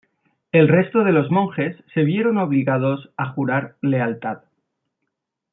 El resto de los monjes se vieron obligados a jurar lealtad.